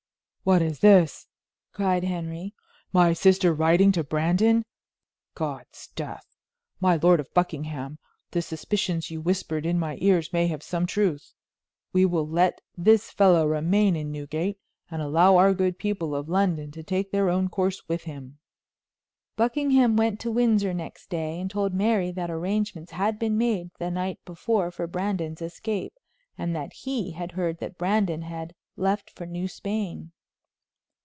"What is this?" cried Henry. "My sister writing to Brandon? God's death! My Lord of Buckingham, the suspicions you whispered in my ear may have some truth. We will let this fellow remain in Newgate, and allow our good people of London to take their own course with him." Buckingham went to Windsor next day and told Mary that arrangements had been made the night before for Brandon's escape, and that he had heard that Brandon had left for New Spain.